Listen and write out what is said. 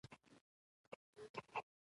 د هرې معاملې لپاره یو سند جوړېده.